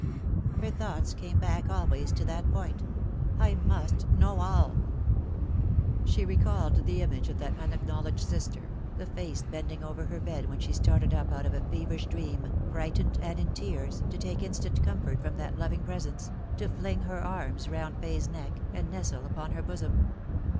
Her thoughts came back always to that point "I must know all." She recalled the image of that unacknowledged sister, the face bending over her bed when she started up out of a feverish dream, frightened and in tears, to take instant comfort from that loving presence, to fling her arms round Fay's neck, and nestle upon her bosom.